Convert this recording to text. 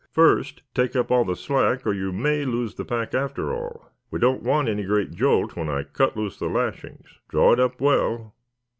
"First take up all the slack or you may lose the pack after all. We don't want any great jolt when I cut loose the lashings. Draw it up well.